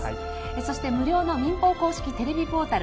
そして、無料の民放公式テレビポータル